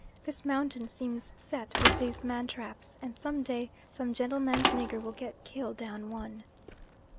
This mountain seems set with these man traps, and "some day some gentleman's nigger" will get killed down one.